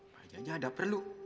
makanya ada perlu